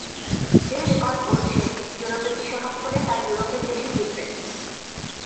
যে রেকর্ড বলছে, ইউরোপে বিশ্বকাপ হলে তা ইউরোপের দেশই জিতবে।